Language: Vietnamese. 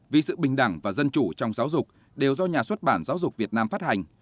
vì sự bình đẳng và dân chủ trong giáo dục đều do nhà xuất bản giáo dục việt nam phát hành